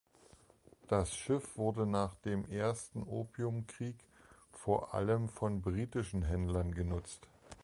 Das Schiff wurde nach dem Ersten Opiumkrieg vor allem von britischen Händlern genutzt.